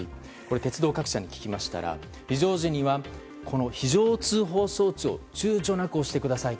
鉄道各社に聞きましたら非常時には非常通報装置を躊躇なく押してください。